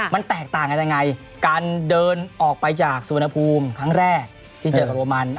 มันแตกต่างกันยังไงการเดินออกไปจากสุวรรณภูมิครั้งแรกที่เจอกับโรมัน